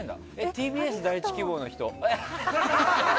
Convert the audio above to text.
ＴＢＳ第１希望の人。